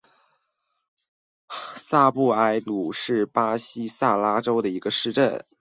萨布埃鲁是巴西塞阿拉州的一个市镇。